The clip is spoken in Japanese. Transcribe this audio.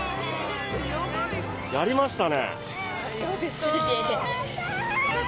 やりましたね。